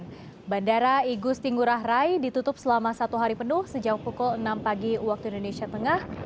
dan bandara igusti ngurah rai ditutup selama satu hari penuh sejak pukul enam pagi waktu indonesia tengah